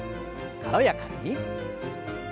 軽やかに。